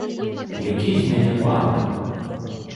Які з мяне панк?